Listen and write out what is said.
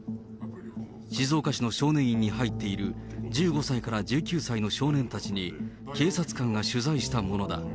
静岡市の少年院に入っている１５歳から１９歳の少年たちに、警察官が取材したものだ。